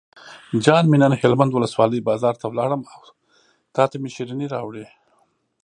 جان مې نن هلمند ولسوالۍ بازار ته لاړم او تاته مې شیرینۍ راوړې.